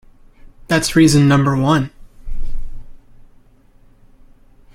That's reason number one.